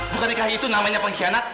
bukannya itu namanya pengkhianat